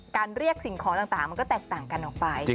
เรียกสิ่งของต่างมันก็แตกต่างกันออกไป